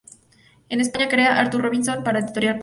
En España crea "Artur Robinson" para la editorial Pala.